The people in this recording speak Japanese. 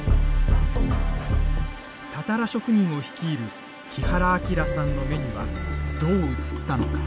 たたら職人を率いる木原明さんの目にはどう映ったのか。